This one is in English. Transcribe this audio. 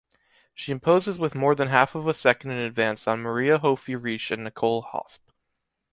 She imposes with more than half of a second in advance on Maria Hofi-Riesch and Nicole Hosp.